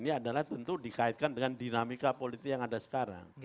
ini adalah tentu dikaitkan dengan dinamika politik yang ada sekarang